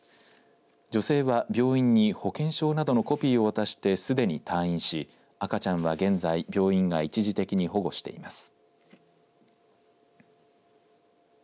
女性は病院に保険証などのコピーを渡して、すでに退院し赤ちゃんは現在、病院が一時的に保護しています。